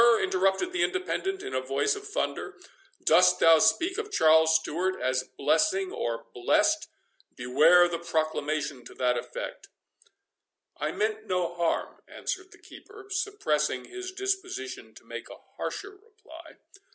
interrupted the Independent, in a voice of thunder, "dost thou speak of Charles Stewart as blessing, or blessed?—beware the proclamation to that effect." "I meant no harm," answered the keeper, suppressing his disposition to make a harsher reply.